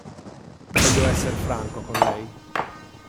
Voglio esser franco con lei.